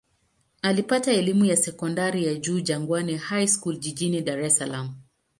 Alipata elimu ya sekondari ya juu Jangwani High School jijini Dar es Salaam.